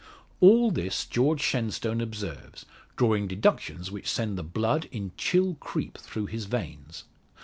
All this George Shenstone observes, drawing deductions which send the blood in chill creep through his veins.